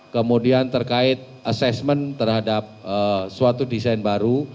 kemudian terkait assessment terhadap suatu desain baru